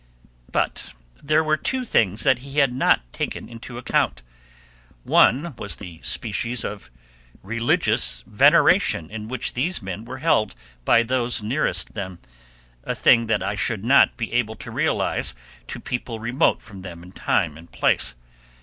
But there were two things that he had not taken into account. One was the species of religious veneration in which these men were held by those nearest them, a thing that I should not be able to realize to people remote from them in time and place.